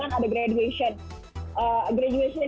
terus ada beberapa acara besar yang misalkan ada graduation